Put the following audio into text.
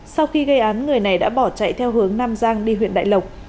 sau khi gây án người này đã bỏ chạy theo hướng nam giang đi huyện đại lộc